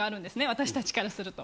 私たちからすると。